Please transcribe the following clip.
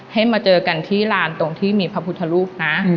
ให้มาเจอกันที่ลานตรงที่มีพระพุทธรูปนะ